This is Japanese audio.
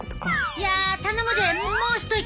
いや頼むでもう一息。